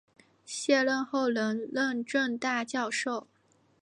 卸任后仍任政大教授。